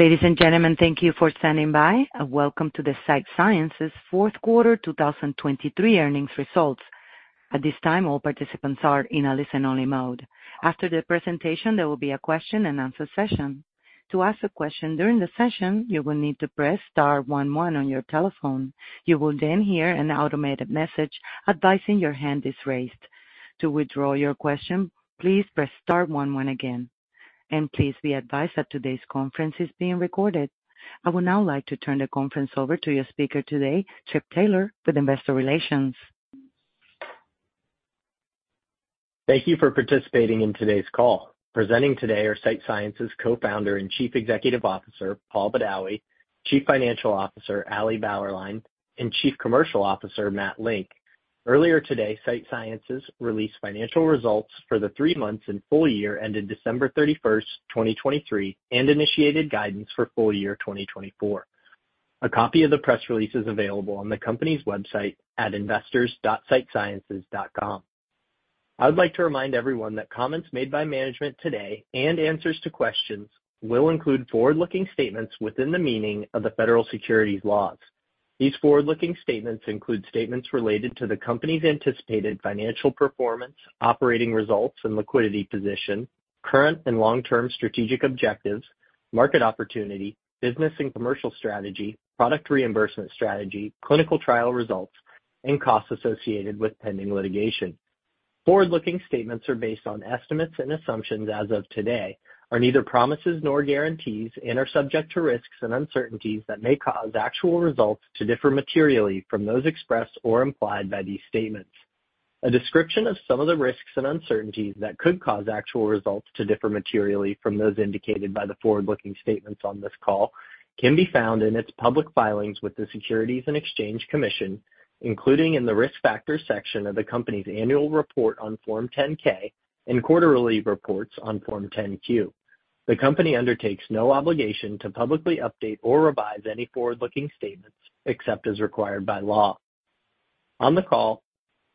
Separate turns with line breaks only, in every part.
Ladies and gentlemen, thank you for standing by. Welcome to the Sight Sciences fourth quarter 2023 earnings results. At this time, all participants are in listen-only mode. After the presentation, there will be a question-and-answer session. To ask a question during the session, you will need to press star one one on your telephone. You will then hear an automated message advising your hand is raised. To withdraw your question, please press star one one again. Please be advised that today's conference is being recorded. I would now like to turn the conference over to your speaker today, Trip Taylor, with Investor Relations.
Thank you for participating in today's call. Presenting today are Sight Sciences Co-founder and Chief Executive Officer Paul Badawi, Chief Financial Officer Ali Bauerlein, and Chief Commercial Officer Matt Link. Earlier today, Sight Sciences released financial results for the three months and full year ended December 31st, 2023, and initiated guidance for full year 2024. A copy of the press release is available on the company's website at investors.sightsciences.com. I would like to remind everyone that comments made by management today and answers to questions will include forward-looking statements within the meaning of the federal securities laws. These forward-looking statements include statements related to the company's anticipated financial performance, operating results, and liquidity position, current and long-term strategic objectives, market opportunity, business and commercial strategy, product reimbursement strategy, clinical trial results, and costs associated with pending litigation. Forward-looking statements are based on estimates and assumptions as of today, are neither promises nor guarantees, and are subject to risks and uncertainties that may cause actual results to differ materially from those expressed or implied by these statements. A description of some of the risks and uncertainties that could cause actual results to differ materially from those indicated by the forward-looking statements on this call can be found in its public filings with the Securities and Exchange Commission, including in the risk factors section of the company's annual report on Form 10-K and quarterly reports on Form 10-Q. The company undertakes no obligation to publicly update or revise any forward-looking statements except as required by law. On the call,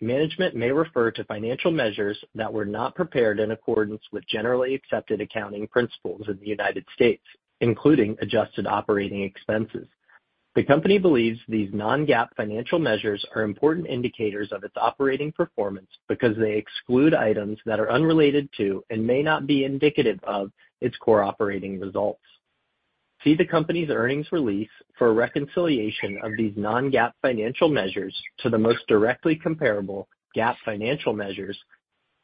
management may refer to financial measures that were not prepared in accordance with generally accepted accounting principles in the United States, including adjusted operating expenses. The company believes these non-GAAP financial measures are important indicators of its operating performance because they exclude items that are unrelated to and may not be indicative of its core operating results. See the company's earnings release for reconciliation of these non-GAAP financial measures to the most directly comparable GAAP financial measures,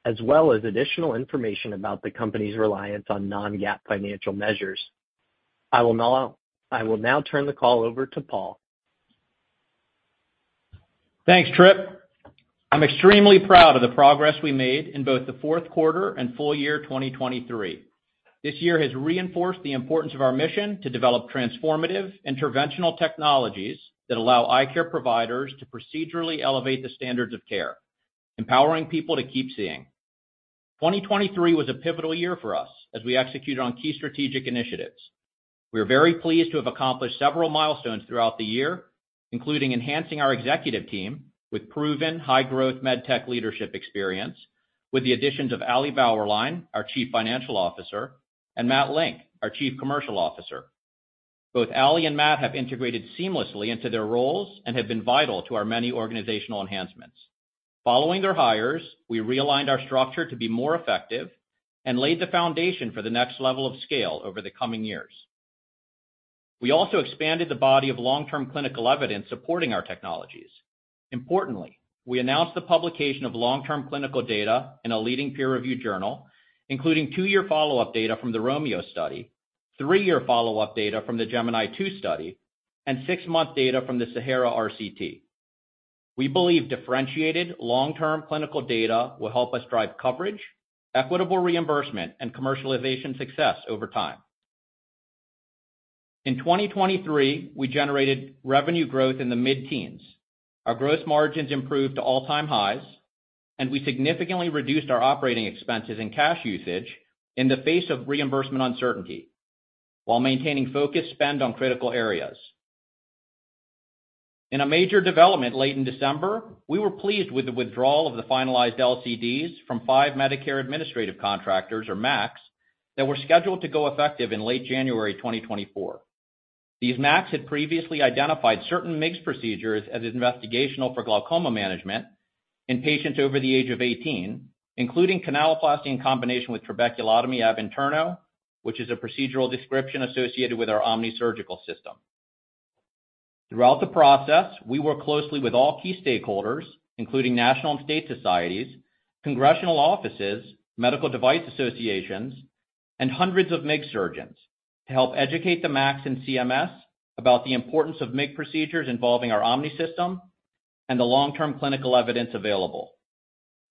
as well as additional information about the company's reliance on non-GAAP financial measures. I will now turn the call over to Paul.
Thanks, Trip. I'm extremely proud of the progress we made in both the fourth quarter and full year 2023. This year has reinforced the importance of our mission to develop transformative interventional technologies that allow eye care providers to procedurally elevate the standards of care, empowering people to keep seeing. 2023 was a pivotal year for us as we executed on key strategic initiatives. We are very pleased to have accomplished several milestones throughout the year, including enhancing our executive team with proven high-growth medtech leadership experience, with the additions of Ali Bauerlein, our Chief Financial Officer, and Matt Link, our Chief Commercial Officer. Both Ali and Matt have integrated seamlessly into their roles and have been vital to our many organizational enhancements. Following their hires, we realigned our structure to be more effective and laid the foundation for the next level of scale over the coming years. We also expanded the body of long-term clinical evidence supporting our technologies. Importantly, we announced the publication of long-term clinical data in a leading peer-reviewed journal, including two-year follow-up data from the Romeo study, three-year follow-up data from the Gemini 2 study, and six-month data from the Sahara RCT. We believe differentiated long-term clinical data will help us drive coverage, equitable reimbursement, and commercialization success over time. In 2023, we generated revenue growth in the mid-teens. Our gross margins improved to all-time highs, and we significantly reduced our operating expenses and cash usage in the face of reimbursement uncertainty while maintaining focused spend on critical areas. In a major development late in December, we were pleased with the withdrawal of the finalized LCDs from five Medicare administrative contractors, or MACs, that were scheduled to go effective in late January 2024. These MACs had previously identified certain MIGS procedures as investigational for glaucoma management in patients over the age of 18, including canaloplasty in combination with trabeculotomy ab interno, which is a procedural description associated with our OMNI Surgical System. Throughout the process, we worked closely with all key stakeholders, including national and state societies, congressional offices, medical device associations, and hundreds of MIGS surgeons to help educate the MACs and CMS about the importance of MIGS procedures involving our OMNI System and the long-term clinical evidence available.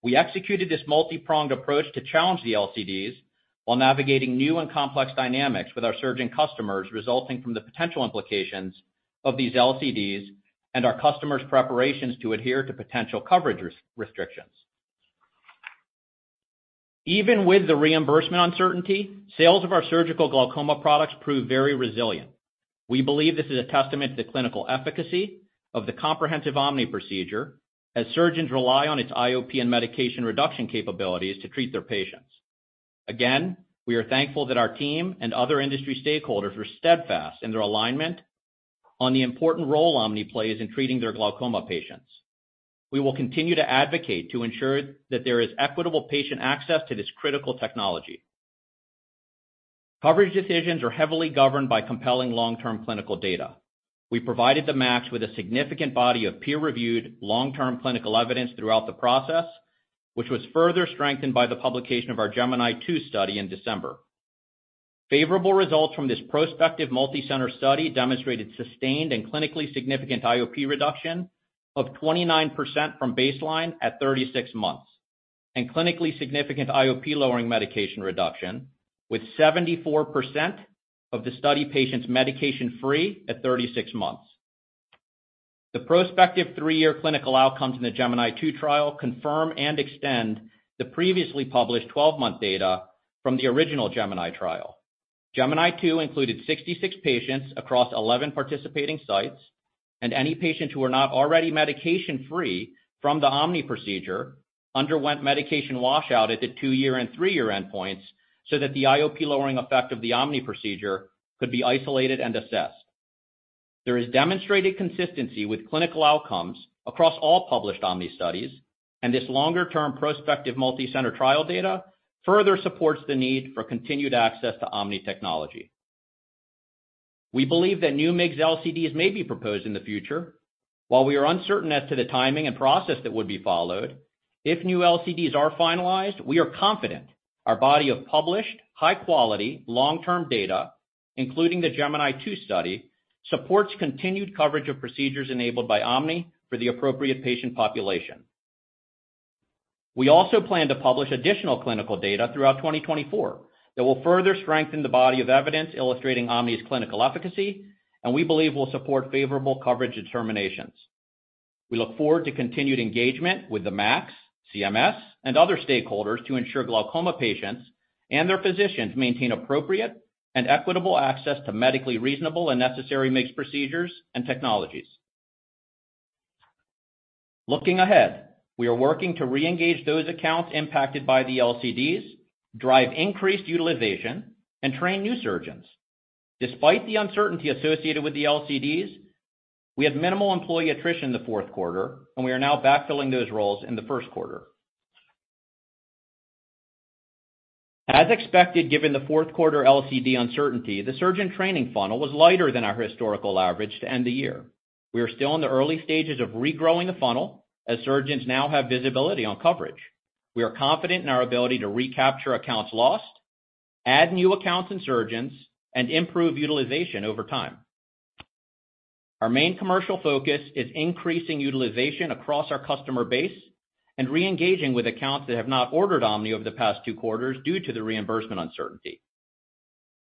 We executed this multi-pronged approach to challenge the LCDs while navigating new and complex dynamics with our surgeon customers, resulting from the potential implications of these LCDs and our customers' preparations to adhere to potential coverage restrictions. Even with the reimbursement uncertainty, sales of our surgical glaucoma products prove very resilient. We believe this is a testament to the clinical efficacy of the comprehensive OMNI procedure, as surgeons rely on its IOP and medication reduction capabilities to treat their patients. Again, we are thankful that our team and other industry stakeholders were steadfast in their alignment on the important role OMNI plays in treating their glaucoma patients. We will continue to advocate to ensure that there is equitable patient access to this critical technology. Coverage decisions are heavily governed by compelling long-term clinical data. We provided the MACs with a significant body of peer-reviewed long-term clinical evidence throughout the process, which was further strengthened by the publication of our Gemini 2 study in December. Favorable results from this prospective multicenter study demonstrated sustained and clinically significant IOP reduction of 29% from baseline at 36 months and clinically significant IOP-lowering medication reduction with 74% of the study patients medication-free at 36 months. The prospective three-year clinical outcomes in the Gemini 2 trial confirm and extend the previously published 12-month data from the original Gemini trial. Gemini 2 included 66 patients across 11 participating sites, and any patients who were not already medication-free from the OMNI procedure underwent medication washout at the two-year and three-year endpoints so that the IOP-lowering effect of the OMNI procedure could be isolated and assessed. There is demonstrated consistency with clinical outcomes across all published OMNI studies, and this longer-term prospective multicenter trial data further supports the need for continued access to OMNI technology. We believe that new MIGS LCDs may be proposed in the future. While we are uncertain as to the timing and process that would be followed, if new LCDs are finalized, we are confident our body of published, high-quality, long-term data, including the Gemini 2 study, supports continued coverage of procedures enabled by OMNI for the appropriate patient population. We also plan to publish additional clinical data throughout 2024 that will further strengthen the body of evidence illustrating OMNI's clinical efficacy, and we believe will support favorable coverage determinations. We look forward to continued engagement with the MACs, CMS, and other stakeholders to ensure glaucoma patients and their physicians maintain appropriate and equitable access to medically reasonable and necessary MIGS procedures and technologies. Looking ahead, we are working to reengage those accounts impacted by the LCDs, drive increased utilization, and train new surgeons. Despite the uncertainty associated with the LCDs, we had minimal employee attrition the fourth quarter, and we are now backfilling those roles in the first quarter. As expected, given the fourth quarter LCD uncertainty, the surgeon training funnel was lighter than our historical average to end the year. We are still in the early stages of regrowing the funnel as surgeons now have visibility on coverage. We are confident in our ability to recapture accounts lost, add new accounts and surgeons, and improve utilization over time. Our main commercial focus is increasing utilization across our customer base and reengaging with accounts that have not ordered OMNI over the past two quarters due to the reimbursement uncertainty.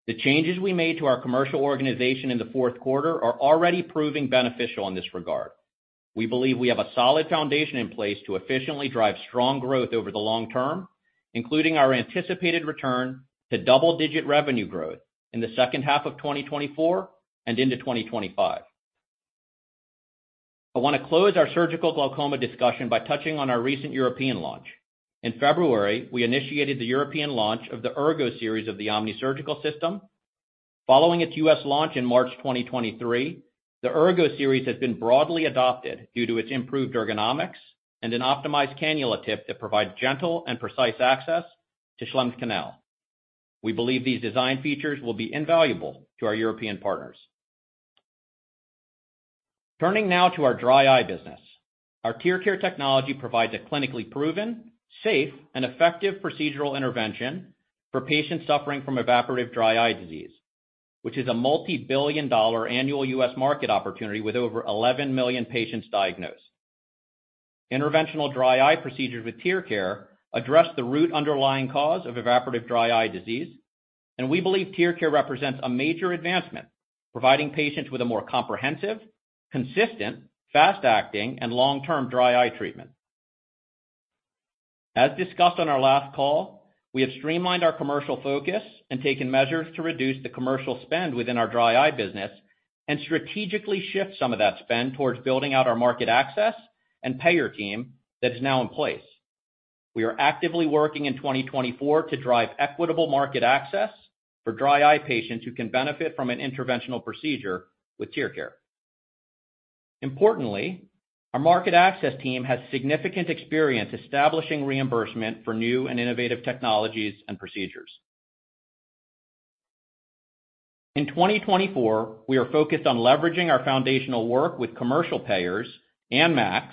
The changes we made to our commercial organization in the fourth quarter are already proving beneficial in this regard. We believe we have a solid foundation in place to efficiently drive strong growth over the long term, including our anticipated return to double-digit revenue growth in the second half of 2024 and into 2025. I want to close our surgical glaucoma discussion by touching on our recent European launch. In February, we initiated the European launch of the Ergo-Series of the OMNI Surgical System. Following its U.S. launch in March 2023, the Ergo-Series has been broadly adopted due to its improved ergonomics and an optimized cannula tip that provides gentle and precise access to Schlemm's canal. We believe these design features will be invaluable to our European partners. Turning now to our dry eye business. Our TearCare technology provides a clinically proven, safe, and effective procedural intervention for patients suffering from evaporative dry eye disease, which is a multi-billion-dollar annual U.S. market opportunity with over 11 million patients diagnosed. Interventional dry eye procedures with TearCare address the root underlying cause of evaporative dry eye disease, and we believe TearCare represents a major advancement, providing patients with a more comprehensive, consistent, fast-acting, and long-term dry eye treatment. As discussed on our last call, we have streamlined our commercial focus and taken measures to reduce the commercial spend within our dry eye business and strategically shift some of that spend towards building out our market access and payer team that is now in place. We are actively working in 2024 to drive equitable market access for dry eye patients who can benefit from an interventional procedure with TearCare. Importantly, our market access team has significant experience establishing reimbursement for new and innovative technologies and procedures. In 2024, we are focused on leveraging our foundational work with commercial payers and MACs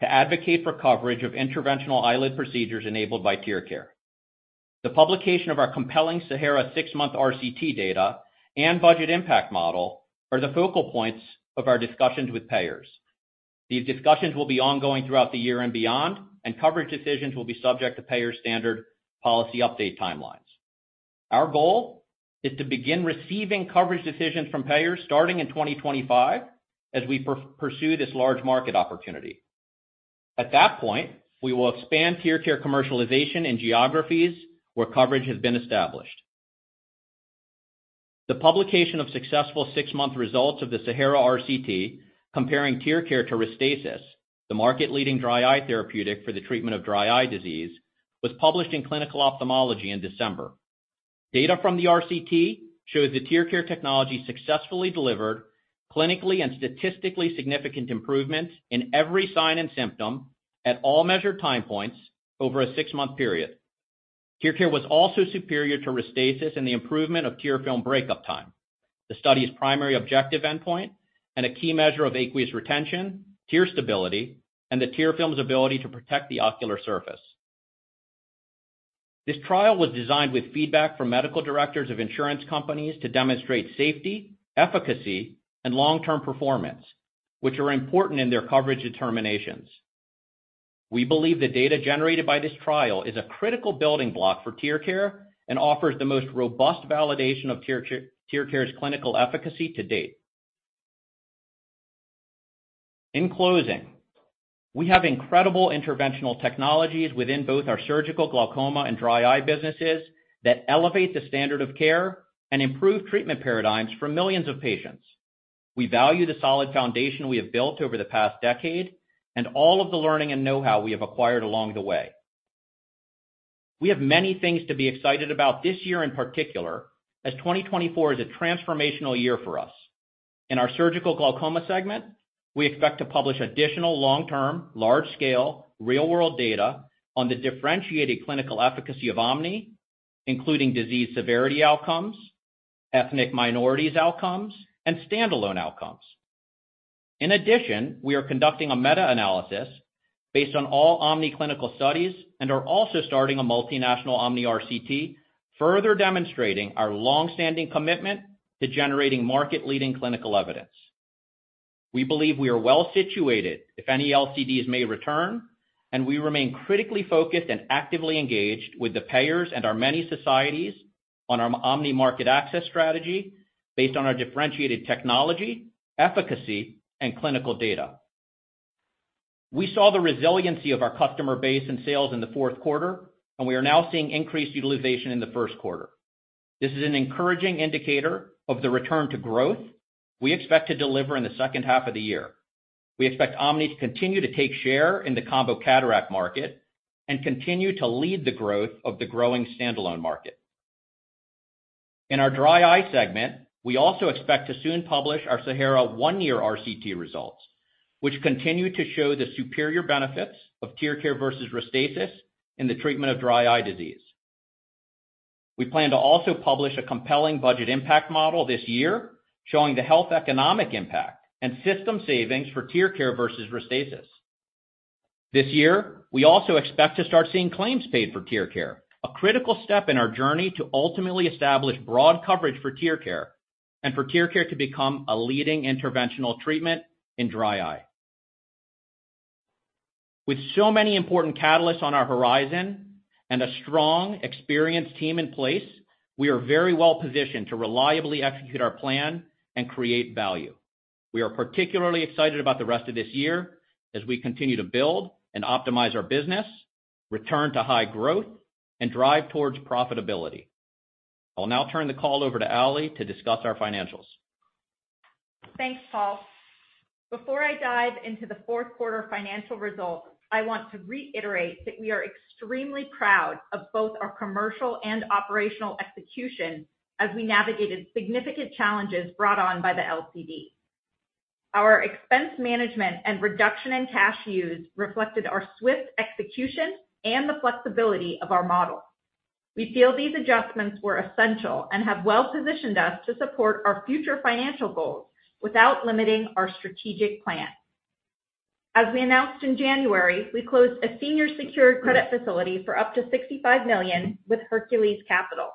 to advocate for coverage of interventional eyelid procedures enabled by TearCare. The publication of our compelling Sahara six-month RCT data and budget impact model are the focal points of our discussions with payers. These discussions will be ongoing throughout the year and beyond, and coverage decisions will be subject to payer standard policy update timelines. Our goal is to begin receiving coverage decisions from payers starting in 2025 as we pursue this large market opportunity. At that point, we will expand TearCare commercialization in geographies where coverage has been established. The publication of successful six-month results of the Sahara RCT comparing TearCare to RESTASIS, the market-leading dry eye therapeutic for the treatment of dry eye disease, was published in Clinical Ophthalmology in December. Data from the RCT shows the TearCare technology successfully delivered clinically and statistically significant improvements in every sign and symptom at all measured time points over a six-month period. TearCare was also superior to RESTASIS in the improvement of tear film breakup time, the study's primary objective endpoint, and a key measure of aqueous retention, tear stability, and the tear film's ability to protect the ocular surface. This trial was designed with feedback from medical directors of insurance companies to demonstrate safety, efficacy, and long-term performance, which are important in their coverage determinations. We believe the data generated by this trial is a critical building block for TearCare and offers the most robust validation of TearCare's clinical efficacy to date. In closing, we have incredible interventional technologies within both our surgical glaucoma and dry eye businesses that elevate the standard of care and improve treatment paradigms for millions of patients. We value the solid foundation we have built over the past decade and all of the learning and know-how we have acquired along the way. We have many things to be excited about this year in particular as 2024 is a transformational year for us. In our surgical glaucoma segment, we expect to publish additional long-term, large-scale, real-world data on the differentiated clinical efficacy of OMNI, including disease severity outcomes, ethnic minorities outcomes, and standalone outcomes. In addition, we are conducting a meta-analysis based on all OMNI clinical studies and are also starting a multinational OMNI RCT further demonstrating our longstanding commitment to generating market-leading clinical evidence. We believe we are well situated if any LCDs may return, and we remain critically focused and actively engaged with the payers and our many societies on our OMNI market access strategy based on our differentiated technology, efficacy, and clinical data. We saw the resiliency of our customer base and sales in the fourth quarter, and we are now seeing increased utilization in the first quarter. This is an encouraging indicator of the return to growth we expect to deliver in the second half of the year. We expect OMNI to continue to take share in the combo cataract market and continue to lead the growth of the growing standalone market. In our dry eye segment, we also expect to soon publish our Sahara one-year RCT results, which continue to show the superior benefits of TearCare versus RESTASIS in the treatment of dry eye disease. We plan to also publish a compelling budget impact model this year showing the health economic impact and system savings for TearCare versus RESTASIS. This year, we also expect to start seeing claims paid for TearCare, a critical step in our journey to ultimately establish broad coverage for TearCare and for TearCare to become a leading interventional treatment in dry eye. With so many important catalysts on our horizon and a strong, experienced team in place, we are very well positioned to reliably execute our plan and create value. We are particularly excited about the rest of this year as we continue to build and optimize our business, return to high growth, and drive towards profitability. I'll now turn the call over to Ali to discuss our financials.
Thanks, Paul. Before I dive into the fourth quarter financial results, I want to reiterate that we are extremely proud of both our commercial and operational execution as we navigated significant challenges brought on by the LCD. Our expense management and reduction in cash use reflected our swift execution and the flexibility of our model. We feel these adjustments were essential and have well positioned us to support our future financial goals without limiting our strategic plan. As we announced in January, we closed a senior-secured credit facility for up to $65 million with Hercules Capital,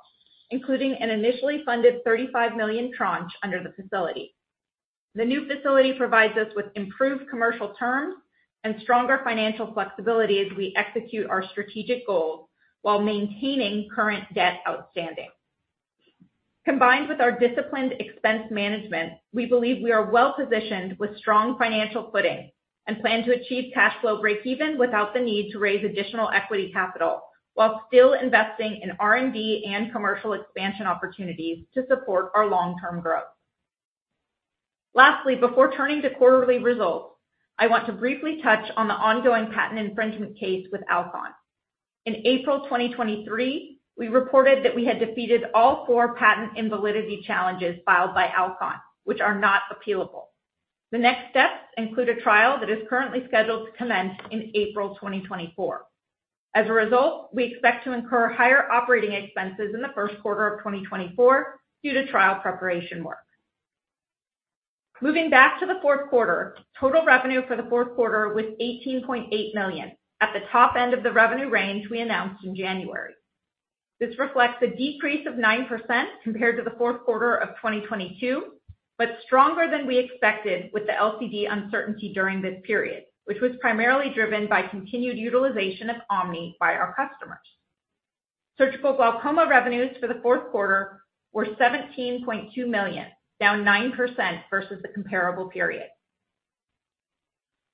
including an initially funded $35 million tranche under the facility. The new facility provides us with improved commercial terms and stronger financial flexibility as we execute our strategic goals while maintaining current debt outstanding. Combined with our disciplined expense management, we believe we are well positioned with strong financial footing and plan to achieve cash flow breakeven without the need to raise additional equity capital while still investing in R&D and commercial expansion opportunities to support our long-term growth. Lastly, before turning to quarterly results, I want to briefly touch on the ongoing patent infringement case with Alcon. In April 2023, we reported that we had defeated all four patent invalidity challenges filed by Alcon, which are not appealable. The next steps include a trial that is currently scheduled to commence in April 2024. As a result, we expect to incur higher operating expenses in the first quarter of 2024 due to trial preparation work. Moving back to the fourth quarter, total revenue for the fourth quarter was $18.8 million, at the top end of the revenue range we announced in January. This reflects a decrease of 9% compared to the fourth quarter of 2022, but stronger than we expected with the LCD uncertainty during this period, which was primarily driven by continued utilization of OMNI by our customers. Surgical glaucoma revenues for the fourth quarter were $17.2 million, down 9% versus the comparable period.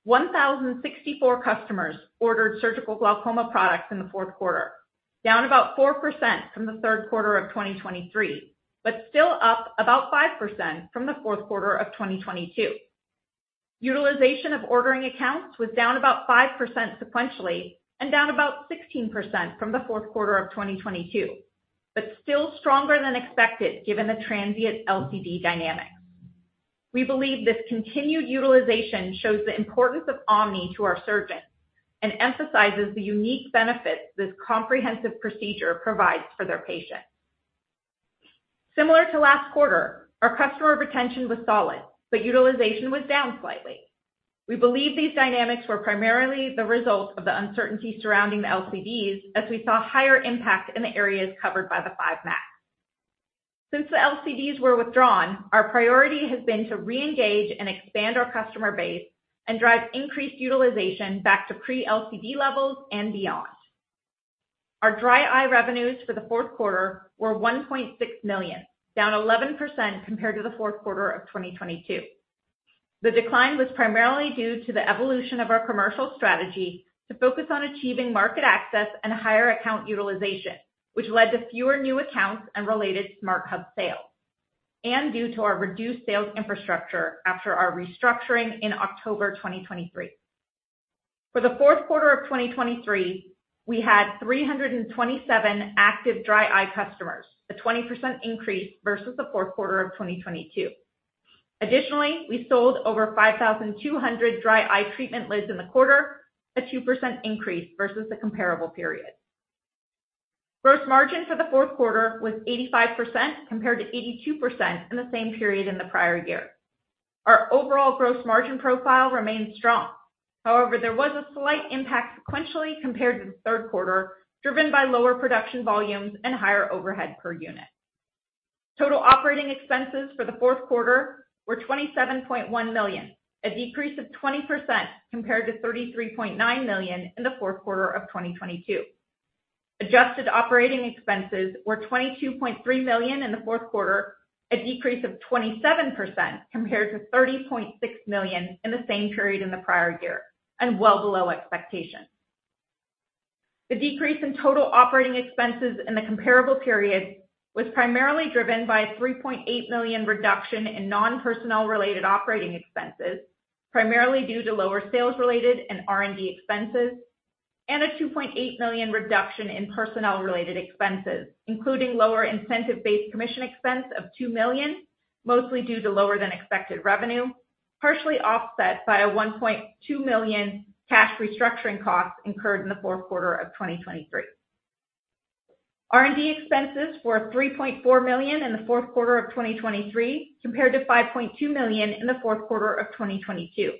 1,064 customers ordered surgical glaucoma products in the fourth quarter, down about 4% from the third quarter of 2023, but still up about 5% from the fourth quarter of 2022. Utilization of ordering accounts was down about 5% sequentially and down about 16% from the fourth quarter of 2022, but still stronger than expected given the transient LCD dynamics. We believe this continued utilization shows the importance of OMNI to our surgeons and emphasizes the unique benefits this comprehensive procedure provides for their patients. Similar to last quarter, our customer retention was solid, but utilization was down slightly. We believe these dynamics were primarily the result of the uncertainty surrounding the LCDs as we saw higher impact in the areas covered by the five MACs. Since the LCDs were withdrawn, our priority has been to reengage and expand our customer base and drive increased utilization back to pre-LCD levels and beyond. Our dry eye revenues for the fourth quarter were $1.6 million, down 11% compared to the fourth quarter of 2022. The decline was primarily due to the evolution of our commercial strategy to focus on achieving market access and higher account utilization, which led to fewer new accounts and related SmartHub sales, and due to our reduced sales infrastructure after our restructuring in October 2023. For the fourth quarter of 2023, we had 327 active dry eye customers, a 20% increase versus the fourth quarter of 2022. Additionally, we sold over 5,200 dry eye treatment lids in the quarter, a 2% increase versus the comparable period. Gross margin for the fourth quarter was 85% compared to 82% in the same period in the prior year. Our overall gross margin profile remained strong. However, there was a slight impact sequentially compared to the third quarter, driven by lower production volumes and higher overhead per unit. Total operating expenses for the fourth quarter were $27.1 million, a decrease of 20% compared to $33.9 million in the fourth quarter of 2022. Adjusted operating expenses were $22.3 million in the fourth quarter, a decrease of 27% compared to $30.6 million in the same period in the prior year, and well below expectation. The decrease in total operating expenses in the comparable period was primarily driven by a $3.8 million reduction in non-personnel-related operating expenses, primarily due to lower sales-related and R&D expenses, and a $2.8 million reduction in personnel-related expenses, including lower incentive-based commission expense of $2 million, mostly due to lower-than-expected revenue, partially offset by a $1.2 million cash restructuring costs incurred in the fourth quarter of 2023. R&D expenses were $3.4 million in the fourth quarter of 2023 compared to $5.2 million in the fourth quarter of 2022.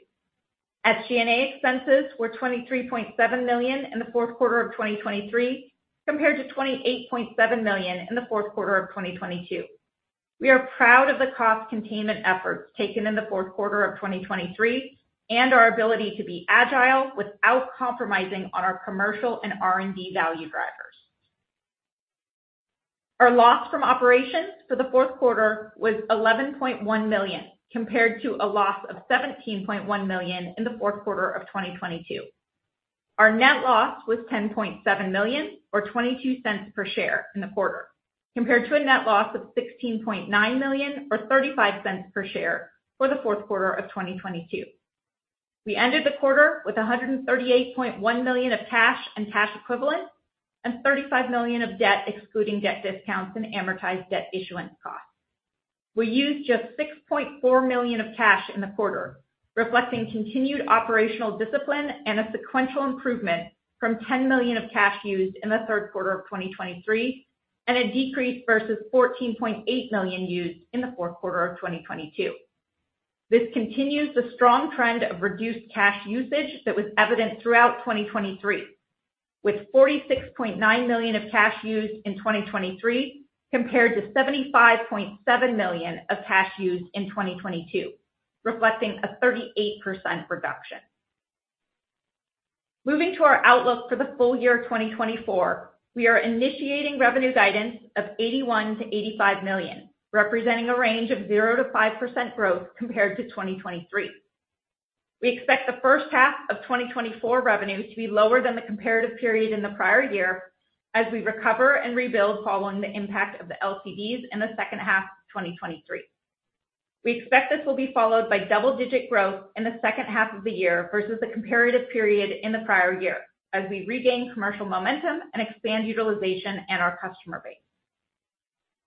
SG&A expenses were $23.7 million in the fourth quarter of 2023 compared to $28.7 million in the fourth quarter of 2022. We are proud of the cost containment efforts taken in the fourth quarter of 2023 and our ability to be agile without compromising on our commercial and R&D value drivers. Our loss from operations for the fourth quarter was $11.1 million compared to a loss of $17.1 million in the fourth quarter of 2022. Our net loss was $10.7 million or $0.22 per share in the quarter, compared to a net loss of $16.9 million or $0.35 per share for the fourth quarter of 2022. We ended the quarter with $138.1 million of cash and cash equivalents and $35 million of debt excluding debt discounts and amortized debt issuance costs. We used just $6.4 million of cash in the quarter, reflecting continued operational discipline and a sequential improvement from $10 million of cash used in the third quarter of 2023 and a decrease versus $14.8 million used in the fourth quarter of 2022.
This continues the strong trend of reduced cash usage that was evident throughout 2023, with $46.9 million of cash used in 2023 compared to $75.7 million of cash used in 2022, reflecting a 38% reduction. Moving to our outlook for the full year 2024, we are initiating revenue guidance of $81 million-$85 million, representing a range of 0%-5% growth compared to 2023. We expect the first half of 2024 revenue to be lower than the comparative period in the prior year as we recover and rebuild following the impact of the LCDs in the second half of 2023. We expect this will be followed by double-digit growth in the second half of the year versus the comparative period in the prior year as we regain commercial momentum and expand utilization and our customer base.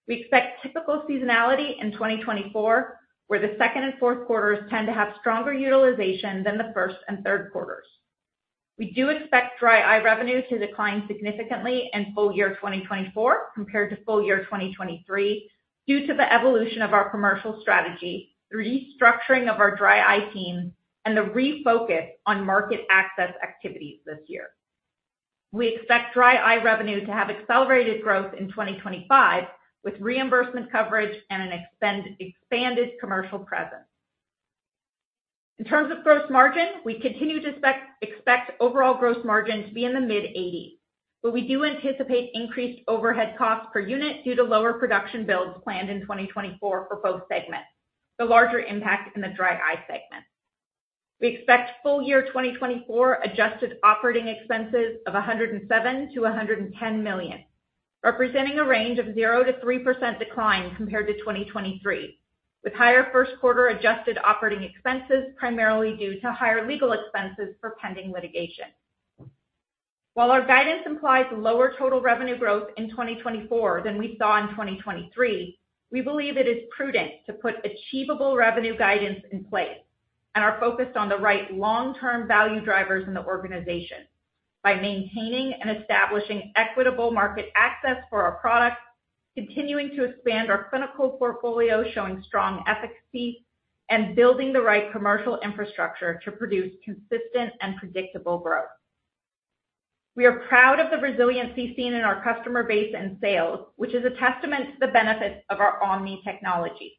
We expect typical seasonality in 2024, where the second and fourth quarters tend to have stronger utilization than the first and third quarters. We do expect dry eye revenue to decline significantly in full year 2024 compared to full year 2023 due to the evolution of our commercial strategy, the restructuring of our dry eye team, and the refocus on market access activities this year. We expect dry eye revenue to have accelerated growth in 2025 with reimbursement coverage and an expanded commercial presence. In terms of gross margin, we continue to expect overall gross margin to be in the mid-80s, but we do anticipate increased overhead costs per unit due to lower production builds planned in 2024 for both segments, the larger impact in the dry eye segment. We expect full year 2024 adjusted operating expenses of $107 million-$110 million, representing a range of 0%-3% decline compared to 2023, with higher first quarter adjusted operating expenses primarily due to higher legal expenses for pending litigation. While our guidance implies lower total revenue growth in 2024 than we saw in 2023, we believe it is prudent to put achievable revenue guidance in place and are focused on the right long-term value drivers in the organization by maintaining and establishing equitable market access for our products, continuing to expand our clinical portfolio showing strong efficacy, and building the right commercial infrastructure to produce consistent and predictable growth. We are proud of the resiliency seen in our customer base and sales, which is a testament to the benefits of our OMNI technology.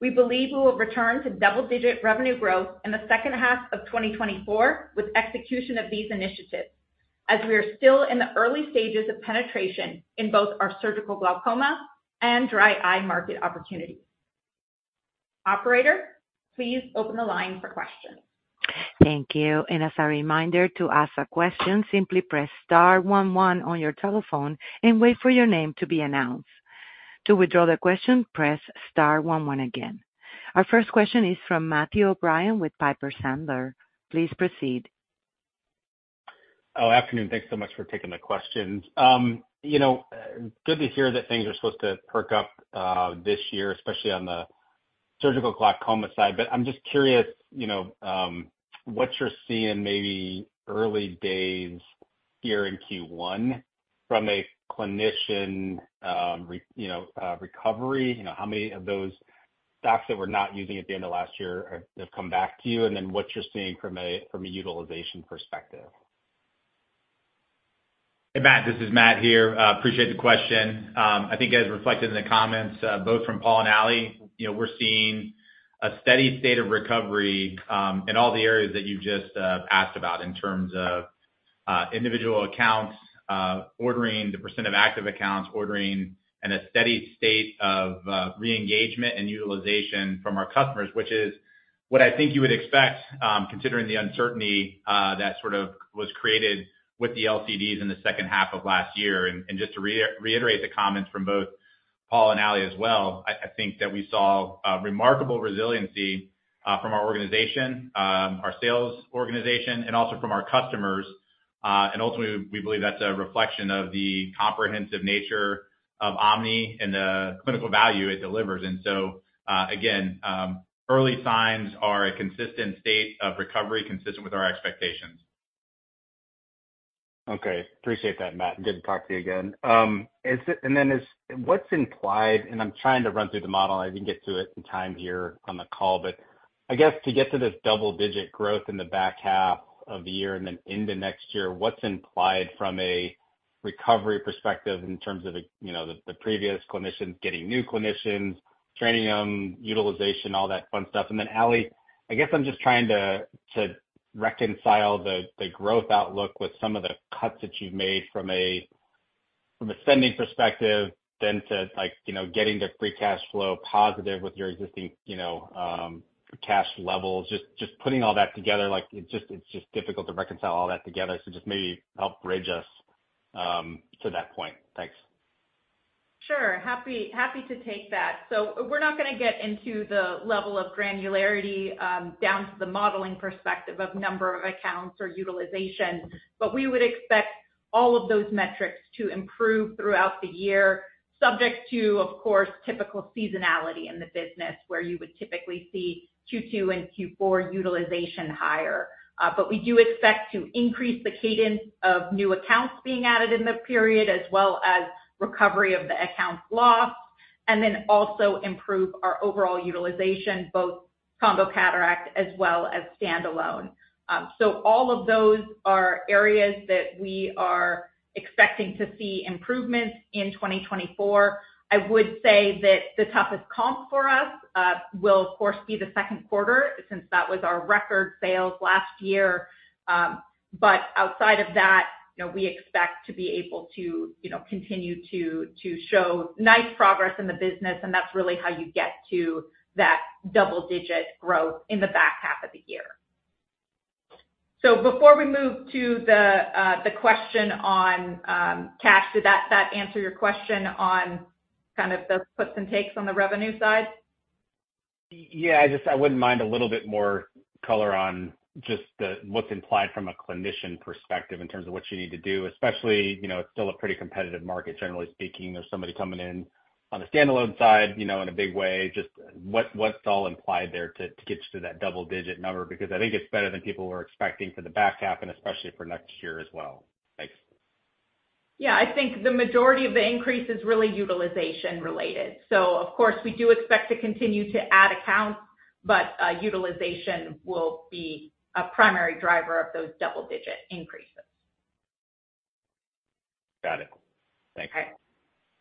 We believe we will return to double-digit revenue growth in the second half of 2024 with execution of these initiatives as we are still in the early stages of penetration in both our surgical glaucoma and dry eye market opportunities. Operator, please open the line for questions.
Thank you. And as a reminder to ask a question, simply press star one one on your telephone and wait for your name to be announced. To withdraw the question, press star one one again. Our first question is from Matthew O'Brien with Piper Sandler. Please proceed.
Oh, afternoon. Thanks so much for taking the questions. Good to hear that things are supposed to perk up this year, especially on the surgical glaucoma side. But I'm just curious, what you're seeing maybe early days here in Q1 from a clinician recovery? How many of those docs that were not using at the end of last year have come back to you? And then what you're seeing from a utilization perspective?
Hey, Matt. This is Matt here. Appreciate the question. I think, as reflected in the comments, both from Paul and Ali, we're seeing a steady state of recovery in all the areas that you've just asked about in terms of individual accounts, ordering the percent of active accounts, ordering and a steady state of reengagement and utilization from our customers, which is what I think you would expect considering the uncertainty that sort of was created with the LCDs in the second half of last year. Just to reiterate the comments from both Paul and Ali as well, I think that we saw remarkable resiliency from our organization, our sales organization, and also from our customers. And ultimately, we believe that's a reflection of the comprehensive nature of OMNI and the clinical value it delivers. And so, again, early signs are a consistent state of recovery consistent with our expectations.
Okay. Appreciate that, Matt. Good to talk to you again. And then what's implied? And I'm trying to run through the model. I didn't get to it in time here on the call. But I guess to get to this double-digit growth in the back half of the year and then into next year, what's implied from a recovery perspective in terms of the previous clinicians getting new clinicians, training them, utilization, all that fun stuff? And then, Ali, I guess I'm just trying to reconcile the growth outlook with some of the cuts that you've made from a spending perspective, then to getting the free cash flow positive with your existing cash levels. Just putting all that together, it's just difficult to reconcile all that together. So just maybe help bridge us to that point. Thanks.
Sure. Happy to take that. So we're not going to get into the level of granularity down to the modeling perspective of number of accounts or utilization. But we would expect all of those metrics to improve throughout the year, subject to, of course, typical seasonality in the business where you would typically see Q2 and Q4 utilization higher. But we do expect to increase the cadence of new accounts being added in the period as well as recovery of the accounts lost, and then also improve our overall utilization, both combo cataract as well as standalone. So all of those are areas that we are expecting to see improvements in 2024. I would say that the toughest comp for us will, of course, be the second quarter since that was our record sales last year. But outside of that, we expect to be able to continue to show nice progress in the business. And that's really how you get to that double-digit growth in the back half of the year. So before we move to the question on cash, did that answer your question on kind of the puts and takes on the revenue side?
Yeah. I wouldn't mind a little bit more color on just what's implied from a clinician perspective in terms of what you need to do, especially it's still a pretty competitive market, generally speaking. There's somebody coming in on the standalone side in a big way. Just what's all implied there to get you to that double-digit number? Because I think it's better than people were expecting for the back half, and especially for next year as well. Thanks.
Yeah. I think the majority of the increase is really utilization-related. So, of course, we do expect to continue to add accounts, but utilization will be a primary driver of those double-digit increases.
Got it. Thanks. Okay.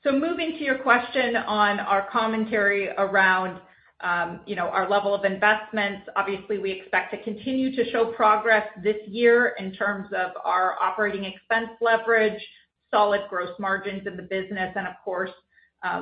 So moving to your question on our commentary around our level of investments, obviously, we expect to continue to show progress this year in terms of our operating expense leverage, solid gross margins in the business, and, of course,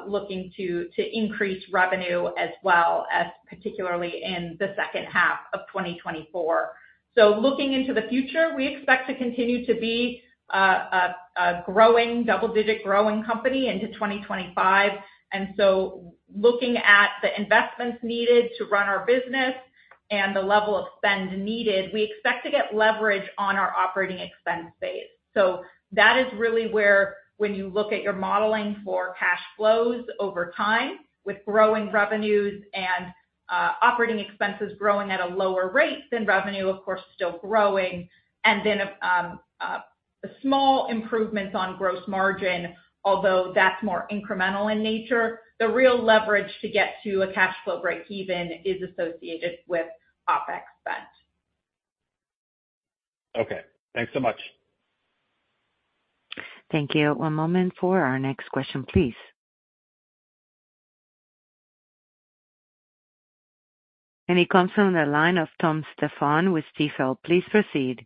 looking to increase revenue as well, particularly in the second half of 2024. So looking into the future, we expect to continue to be a growing double-digit growing company into 2025. And so looking at the investments needed to run our business and the level of spend needed, we expect to get leverage on our operating expense base. So that is really where, when you look at your modeling for cash flows over time with growing revenues and operating expenses growing at a lower rate than revenue, of course, still growing, and then small improvements on gross margin, although that's more incremental in nature, the real leverage to get to a cash flow break-even is associated with OpEx spent.
Okay. Thanks so much.
Thank you. One moment for our next question, please. And he comes from the line of Tom Stephan with Stifel. Please proceed.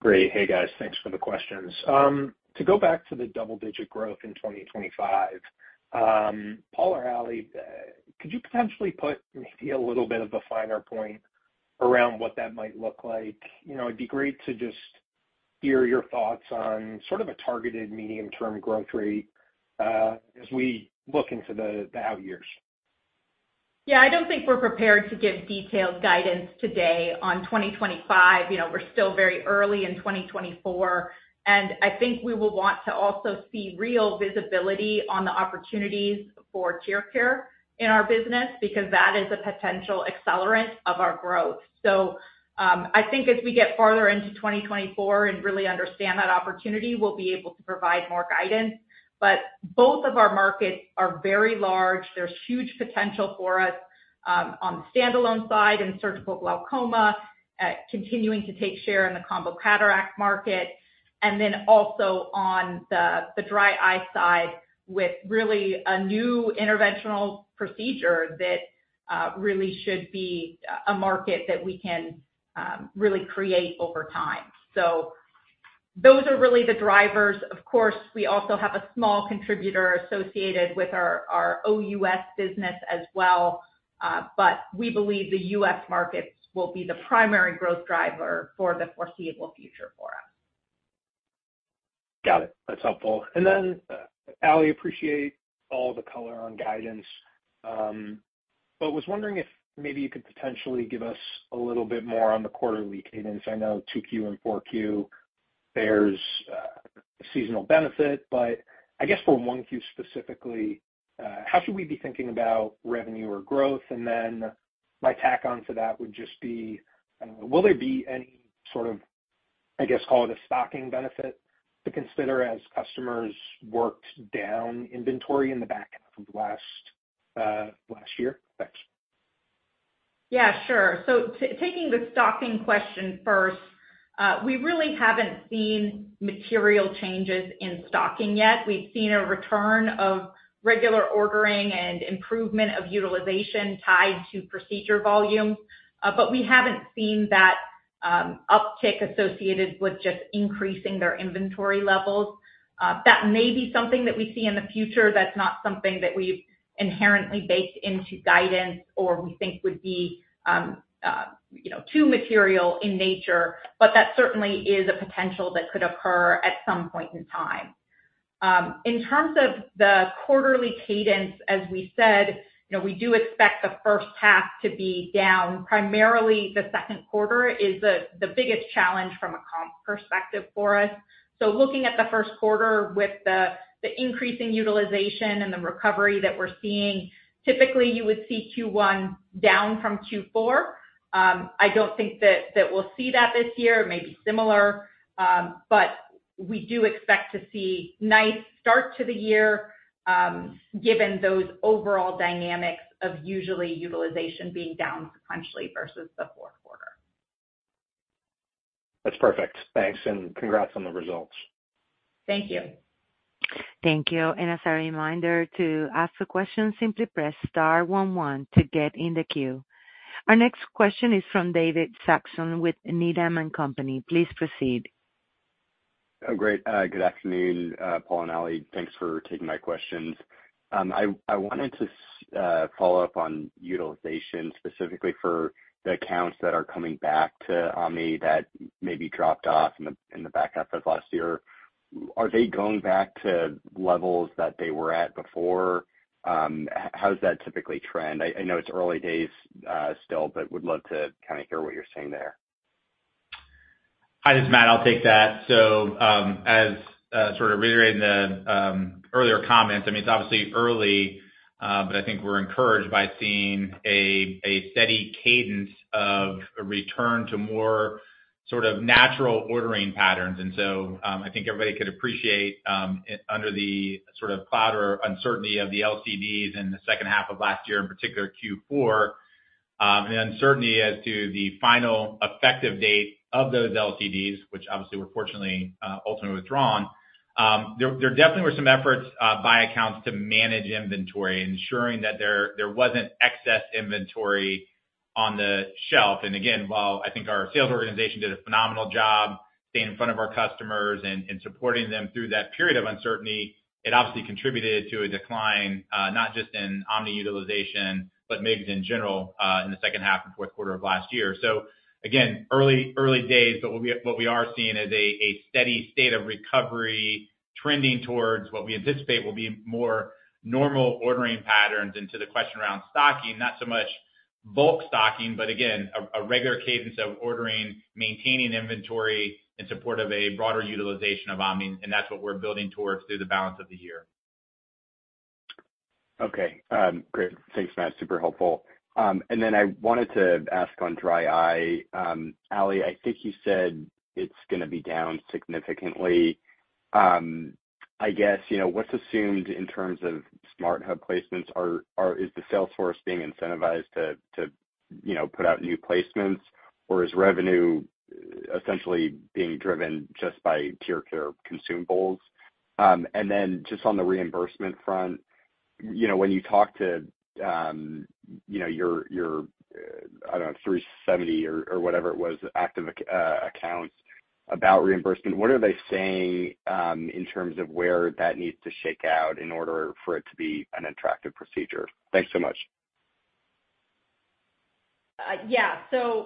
Great. Hey, guys. Thanks for the questions. To go back to the double-digit growth in 2025, Paul or Ali, could you potentially put maybe a little bit of a finer point around what that might look like? It'd be great to just hear your thoughts on sort of a targeted medium-term growth rate as we look into the out years.
Yeah. I don't think we're prepared to give detailed guidance today on 2025. We're still very early in 2024. And I think we will want to also see real visibility on the opportunities for TearCare in our business because that is a potential accelerant of our growth. So I think as we get farther into 2024 and really understand that opportunity, we'll be able to provide more guidance. But both of our markets are very large. There's huge potential for us on the standalone side in surgical glaucoma, continuing to take share in the combo cataract market, and then also on the dry eye side with really a new interventional procedure that really should be a market that we can really create over time. So those are really the drivers. Of course, we also have a small contributor associated with our OUS business as well. But we believe the US markets will be the primary growth driver for the foreseeable future for us.
Got it. That's helpful. And then, Ali, appreciate all the color on guidance. But was wondering if maybe you could potentially give us a little bit more on the quarterly cadence. I know 2Q and 4Q, there's seasonal benefit. But I guess for 1Q specifically, how should we be thinking about revenue or growth? And then my tack-on to that would just be, will there be any sort of, I guess, call it a stocking benefit to consider as customers worked down inventory in the back half of last year? Thanks.
Yeah. Sure. So taking the stocking question first, we really haven't seen material changes in stocking yet. We've seen a return of regular ordering and improvement of utilization tied to procedure volumes. But we haven't seen that uptick associated with just increasing their inventory levels. That may be something that we see in the future. That's not something that we've inherently baked into guidance or we think would be too material in nature. But that certainly is a potential that could occur at some point in time. In terms of the quarterly cadence, as we said, we do expect the first half to be down. Primarily, the second quarter is the biggest challenge from a comp perspective for us. So looking at the first quarter with the increasing utilization and the recovery that we're seeing, typically, you would see Q1 down from Q4. I don't think that we'll see that this year. It may be similar. But we do expect to see a nice start to the year given those overall dynamics of usually utilization being down sequentially versus the fourth quarter.
That's perfect. Thanks. And congrats on the results.
Thank you.
Thank you. And as a reminder to ask the question, simply press star one one to get in the queue. Our next question is from David Saxon with Needham & Company. Please proceed.
Oh, great. Good afternoon, Paul and Ali. Thanks for taking my questions. I wanted to follow up on utilization, specifically for the accounts that are coming back to OMNI that maybe dropped off in the back half of last year. Are they going back to levels that they were at before? How does that typically trend? I know it's early days still, but would love to kind of hear what you're saying there.
Hi. This is Matt. I'll take that. So as sort of reiterating the earlier comments, I mean, it's obviously early, but I think we're encouraged by seeing a steady cadence of a return to more sort of natural ordering patterns. And so I think everybody could appreciate, under the sort of cloud or uncertainty of the LCDs in the second half of last year, in particular Q4, and the uncertainty as to the final effective date of those LCDs, which obviously, we're fortunately ultimately withdrawn. There definitely were some efforts by accounts to manage inventory, ensuring that there wasn't excess inventory on the shelf. And again, while I think our sales organization did a phenomenal job staying in front of our customers and supporting them through that period of uncertainty, it obviously contributed to a decline, not just in OMNI utilization, but MIGS in general in the second half and fourth quarter of last year. So again, early days, but what we are seeing is a steady state of recovery trending towards what we anticipate will be more normal ordering patterns. And to the question around stocking, not so much bulk stocking, but again, a regular cadence of ordering, maintaining inventory in support of a broader utilization of OMNI. And that's what we're building towards through the balance of the year.
Okay. Great. Thanks, Matt. Super helpful. Then I wanted to ask on dry eye, Ali. I think you said it's going to be down significantly. I guess what's assumed in terms of SmartHub placements? Is the sales force being incentivized to put out new placements, or is revenue essentially being driven just by TearCare consumables? And then just on the reimbursement front, when you talk to your, I don't know, 370 or whatever it was, active accounts about reimbursement, what are they saying in terms of where that needs to shake out in order for it to be an attractive procedure? Thanks so much.
Yeah.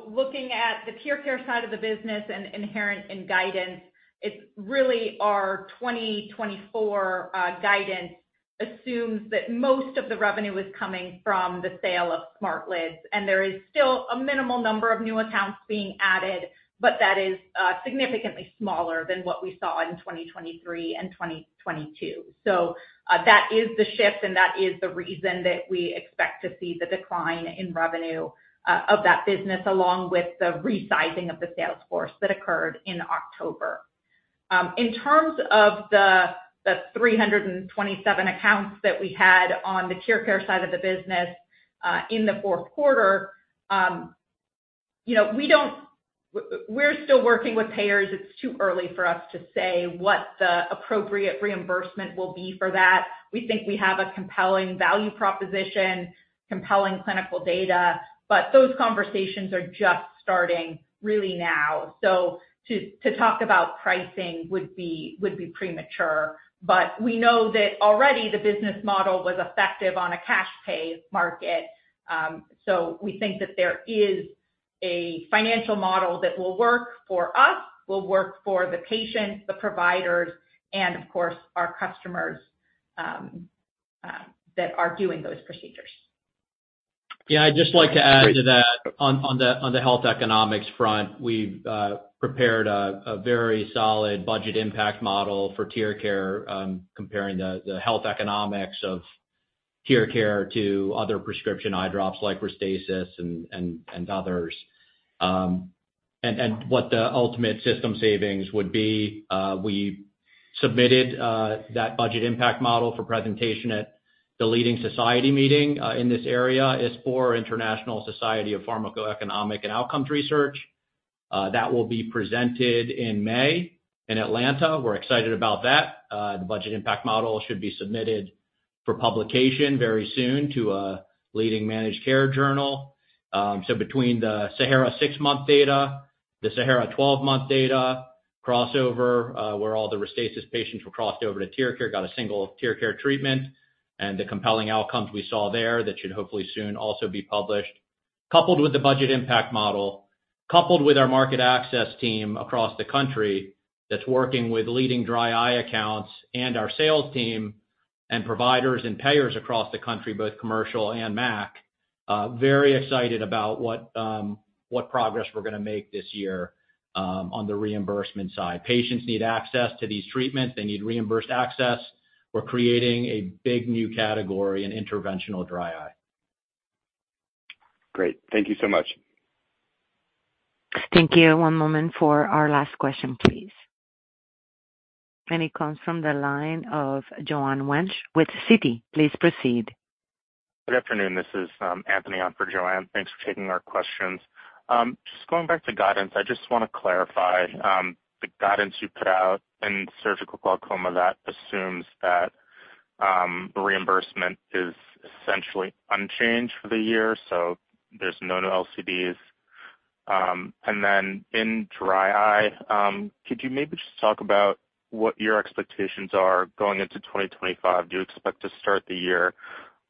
Looking at the TearCare side of the business and inherent in guidance, it's really our 2024 guidance assumes that most of the revenue is coming from the sale of SmartLids. There is still a minimal number of new accounts being added, but that is significantly smaller than what we saw in 2023 and 2022. That is the shift, and that is the reason that we expect to see the decline in revenue of that business, along with the resizing of the sales force that occurred in October. In terms of the 327 accounts that we had on the TearCare side of the business in the fourth quarter, we're still working with payers. It's too early for us to say what the appropriate reimbursement will be for that. We think we have a compelling value proposition, compelling clinical data. Those conversations are just starting really now. To talk about pricing would be premature. We know that already the business model was effective on a cash pay market. So we think that there is a financial model that will work for us, will work for the patients, the providers, and, of course, our customers that are doing those procedures.
Yeah. I'd just like to add to that, on the health economics front, we've prepared a very solid budget impact model for TearCare, comparing the health economics of TearCare to other prescription eye drops like RESTASIS and others, and what the ultimate system savings would be. We submitted that budget impact model for presentation at the leading society meeting in this area, ISPOR, International Society for Pharmacoeconomics and Outcomes Research. That will be presented in May in Atlanta. We're excited about that. The budget impact model should be submitted for publication very soon to a leading managed care journal. So between the Sahara six-month data, the Sahara 12-month data, crossover where all the RESTASIS patients were crossed over to TearCare, got a single TearCare treatment, and the compelling outcomes we saw there that should hopefully soon also be published, coupled with the budget impact model, coupled with our market access team across the country that's working with leading dry eye accounts and our sales team and providers and payers across the country, both commercial and MAC, very excited about what progress we're going to make this year on the reimbursement side. Patients need access to these treatments. They need reimbursed access. We're creating a big new category in interventional dry eye.
Great. Thank you so much.
Thank you. One moment for our last question, please. And he comes from the line of Joanne Wuensch with Citi. Please proceed.
Good afternoon. This is Anthony on for Joanne. Thanks for taking our questions. Just going back to guidance, I just want to clarify the guidance you put out in surgical glaucoma that assumes that reimbursement is essentially unchanged for the year. So there's no new LCDs. And then in dry eye, could you maybe just talk about what your expectations are going into 2025? Do you expect to start the year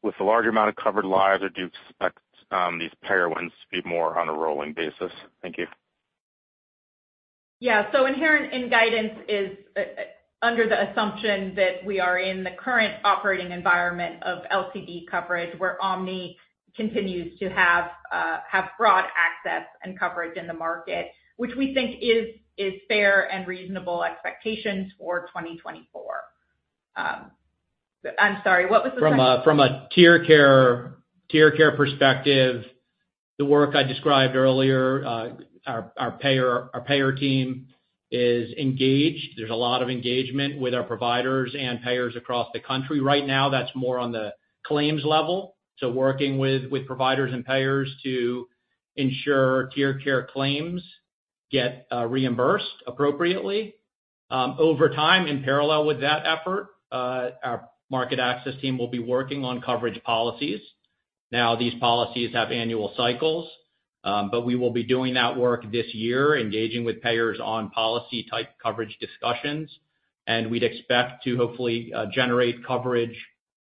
with a large amount of covered lives, or do you expect these payer ones to be more on a rolling basis? Thank you.
Yeah. So inherent in guidance is under the assumption that we are in the current operating environment of LCD coverage where OMNI continues to have broad access and coverage in the market, which we think is fair and reasonable expectations for 2024. I'm sorry. What was the question?
From a TearCare perspective, the work I described earlier, our payer team is engaged. There's a lot of engagement with our providers and payers across the country. Right now, that's more on the claims level. So working with providers and payers to ensure TearCare claims get reimbursed appropriately. Over time, in parallel with that effort, our market access team will be working on coverage policies. Now, these policies have annual cycles. But we will be doing that work this year, engaging with payers on policy-type coverage discussions. And we'd expect to hopefully generate coverage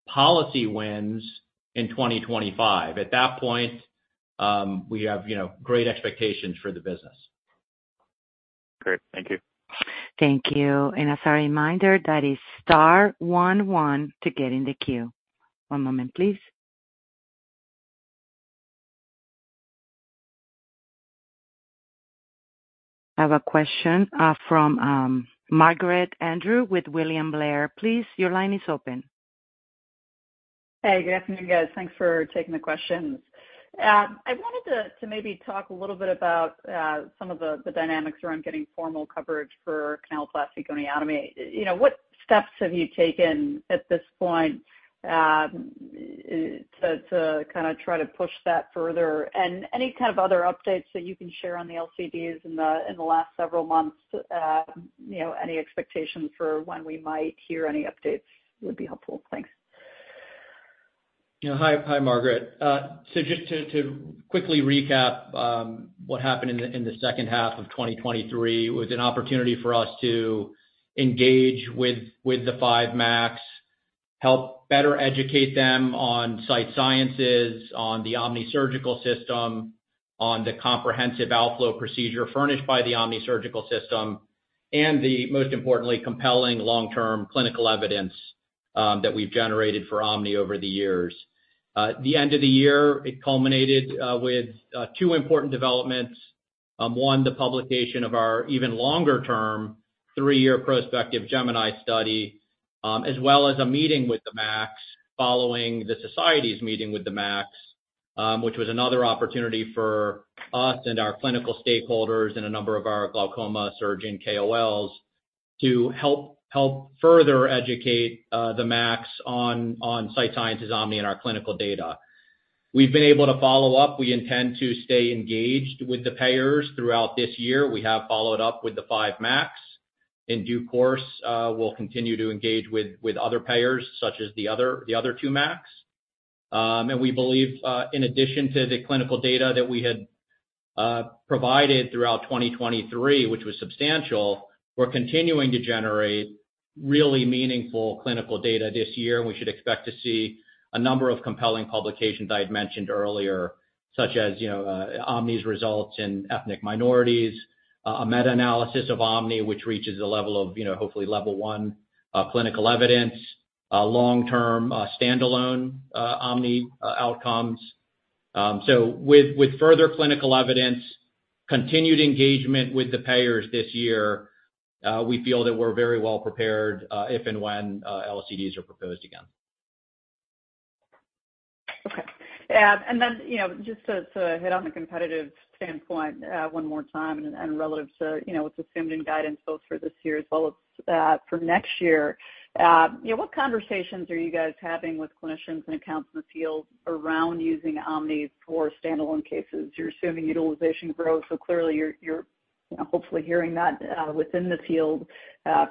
policy wins in 2025. At that point, we have great expectations for the business.
Great. Thank you.
Thank you. And as a reminder, that is star one one to get in the queue. One moment, please. I have a question from Margaret Andrew with William Blair. Please, your line is open.
Hey. Good afternoon, guys. Thanks for taking the questions. I wanted to maybe talk a little bit about some of the dynamics around getting formal coverage for canaloplasty goniotomy. What steps have you taken at this point to kind of try to push that further? And any kind of other updates that you can share on the LCDs in the last several months? Any expectations for when we might hear any updates would be helpful. Thanks.
Hi, Margaret. So just to quickly recap what happened in the second half of 2023, it was an opportunity for us to engage with the five MACs, help better educate them on Sight Sciences, on the OMNI Surgical System, on the comprehensive outflow procedure furnished by the OMNI Surgical System, and the most importantly, compelling long-term clinical evidence that we've generated for OMNI over the years. The end of the year, it culminated with two important developments. One, the publication of our even longer-term, three-year prospective Gemini study, as well as a meeting with the MACs following the society's meeting with the MACs, which was another opportunity for us and our clinical stakeholders and a number of our glaucoma surgeon KOLs to help further educate the MACs on Sight Sciences OMNI and our clinical data. We've been able to follow up. We intend to stay engaged with the payers throughout this year. We have followed up with the five MACs. In due course, we'll continue to engage with other payers such as the other two MACs. We believe, in addition to the clinical data that we had provided throughout 2023, which was substantial, we're continuing to generate really meaningful clinical data this year. We should expect to see a number of compelling publications I had mentioned earlier, such as OMNI's results in ethnic minorities, a meta-analysis of OMNI, which reaches the level of hopefully level one clinical evidence, long-term standalone OMNI outcomes. So with further clinical evidence, continued engagement with the payers this year, we feel that we're very well prepared if and when LCDs are proposed again.
Okay. Then just to hit on the competitive standpoint one more time, and relative to what's assumed in guidance both for this year as well as for next year, what conversations are you guys having with clinicians and accounts in the field around using OMNI for standalone cases? You're assuming utilization grows. So clearly, you're hopefully hearing that within the field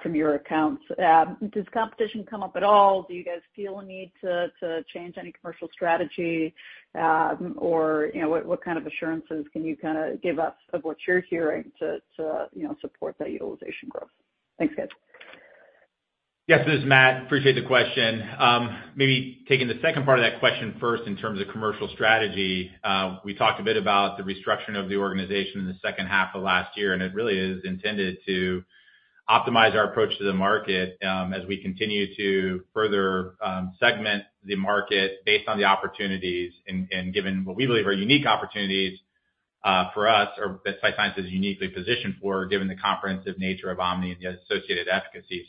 from your accounts. Does competition come up at all? Do you guys feel a need to change any commercial strategy? Or what kind of assurances can you kind of give us of what you're hearing to support that utilization growth? Thanks, guys.
Yes. This is Matt. Appreciate the question. Maybe taking the second part of that question first in terms of commercial strategy, we talked a bit about the restructuring of the organization in the second half of last year. And it really is intended to optimize our approach to the market as we continue to further segment the market based on the opportunities and given what we believe are unique opportunities for us or that Sight Sciences is uniquely positioned for, given the comprehensive nature of OMNI and the associated efficacy.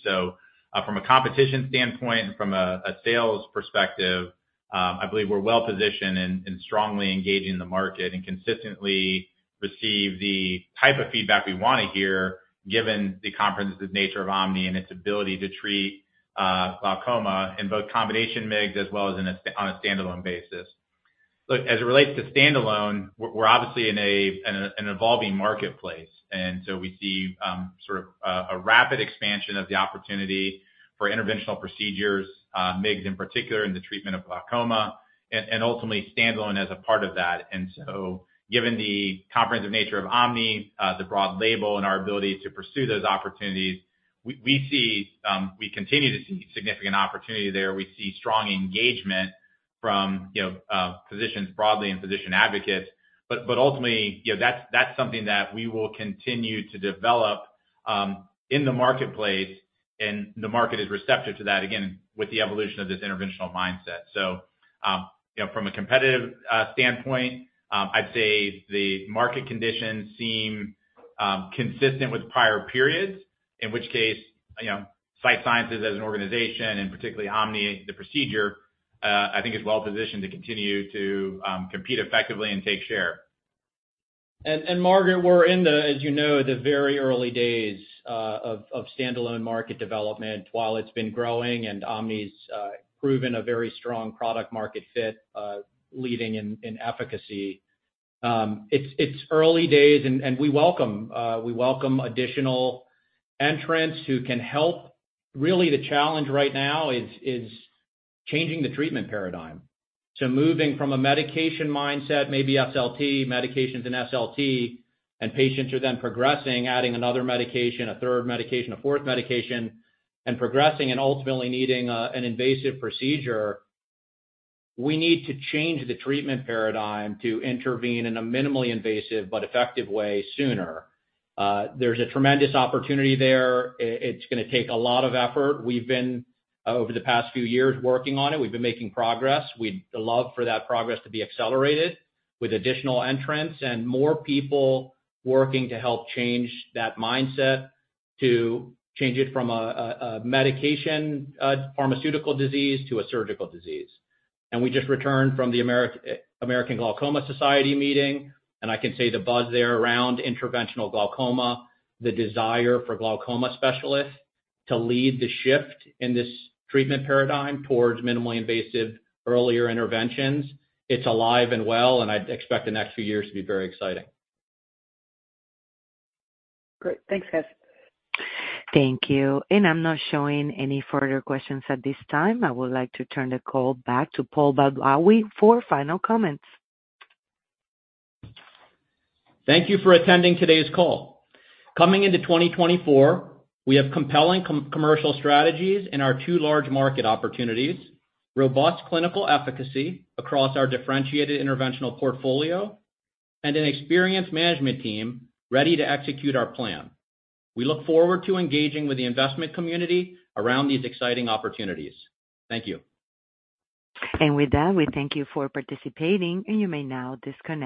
So from a competition standpoint and from a sales perspective, I believe we're well positioned in strongly engaging the market and consistently receive the type of feedback we want to hear, given the comprehensive nature of OMNI and its ability to treat glaucoma in both combination MIGS as well as on a standalone basis. Look, as it relates to standalone, we're obviously in an evolving marketplace. And so we see sort of a rapid expansion of the opportunity for interventional procedures, MIGS in particular, in the treatment of glaucoma, and ultimately standalone as a part of that. And so given the comprehensive nature of OMNI, the broad label, and our ability to pursue those opportunities, we continue to see significant opportunity there. We see strong engagement from physicians broadly and physician advocates. But ultimately, that's something that we will continue to develop in the marketplace. The market is receptive to that, again, with the evolution of this interventional mindset. So from a competitive standpoint, I'd say the market conditions seem consistent with prior periods, in which case Sight Sciences as an organization and particularly OMNI, the procedure, I think, is well positioned to continue to compete effectively and take share. And Margaret, we're in the, as you know, the very early days of standalone market development. While it's been growing and OMNI's proven a very strong product-market fit, leading in efficacy, it's early days. And we welcome additional entrants who can help. Really, the challenge right now is changing the treatment paradigm. Moving from a medication mindset, maybe SLT, medications in SLT, and patients are then progressing, adding another medication, a third medication, a fourth medication, and progressing and ultimately needing an invasive procedure, we need to change the treatment paradigm to intervene in a minimally invasive but effective way sooner. There's a tremendous opportunity there. It's going to take a lot of effort. We've been, over the past few years, working on it. We've been making progress. We'd love for that progress to be accelerated with additional entrants and more people working to help change that mindset, to change it from a medication pharmaceutical disease to a surgical disease. We just returned from the American Glaucoma Society meeting. I can say the buzz there around interventional glaucoma, the desire for glaucoma specialists to lead the shift in this treatment paradigm towards minimally invasive earlier interventions, it's alive and well. I'd expect the next few years to be very exciting.
Great. Thanks, guys.
Thank you. I'm not showing any further questions at this time. I would like to turn the call back to Paul Badawi for final comments.
Thank you for attending today's call. Coming into 2024, we have compelling commercial strategies in our two large market opportunities, robust clinical efficacy across our differentiated interventional portfolio, and an experienced management team ready to execute our plan. We look forward to engaging with the investment community around these exciting opportunities. Thank you.
With that, we thank you for participating. You may now disconnect.